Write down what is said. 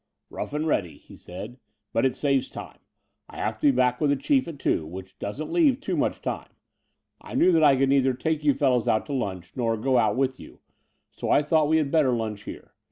"Rough and ready," he said, "but it saves time. I have to be back with the Chief at two, which doesn't leave too much time. I knew that I could neither take you fellows out to lunch nor go out with you ; so I thought we had better limch here.